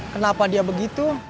kenapa dia begitu